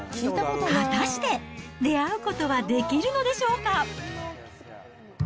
果たして、出会うことはできるのでしょうか。